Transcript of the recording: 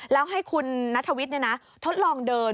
แล้วให้คุณนัทวิทย์ทดลองเดิน